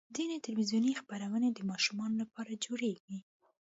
ځینې تلویزیوني خپرونې د ماشومانو لپاره جوړېږي.